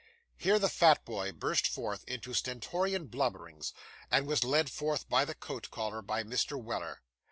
(Here, the fat boy burst forth into stentorian blubberings, and was led forth by the coat collar, by Mr. Weller.)